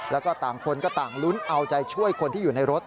แล้วก็ต่างคนก็ต่างลุ้นเอาใจช่วยคนที่อยู่ในรถ